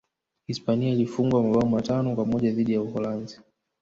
hispania ilifungwa mabao matano kwa moja dhidi ya uholanzi